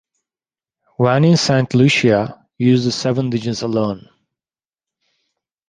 When in Saint Lucia, use the seven digits alone.